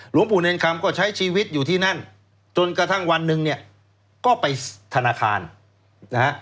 หลวงปู่เนรคำก็ใช้ชีวิตอยู่ที่นั่นจนกระทั่งวันหนึ่งเนี่ยก็ไปธนาคารนะฮะ